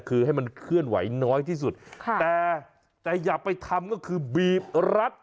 คือให้มันเคลื่อนไหวน้อยที่สุดค่ะแต่แต่อย่าไปทำก็คือบีบรัด